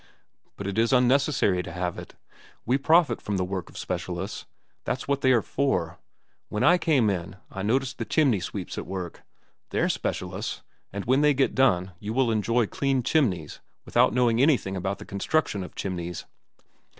"But it is unnecessary to have it. We profit from the work of the specialists. That's what they are for. When I came in, I noticed the chimney sweeps at work. They're specialists, and when they get done, you will enjoy clean chimneys without knowing anything about the construction of chimneys."